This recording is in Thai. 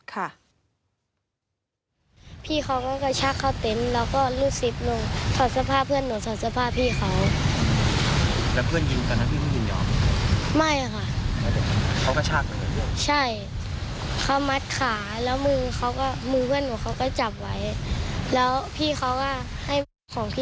พี่เขาก็กระชากเขาเตนท์แล้วก็ลูกซิปลง